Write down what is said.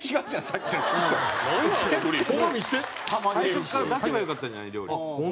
最初から出せばよかったじゃない料理。